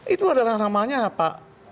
itu adalah namanya pak